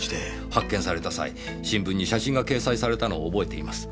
発見された際新聞に写真が掲載されたのを覚えています。